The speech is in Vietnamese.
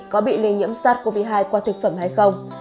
có bị lây nhiễm sars cov hai qua thực phẩm hay không